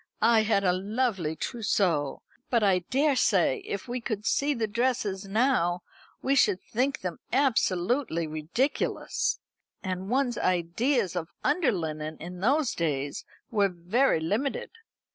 I had a lovely trousseau; but I daresay if we could see the dresses now we should think them absolutely ridiculous. And one's ideas of under linen in those days were very limited.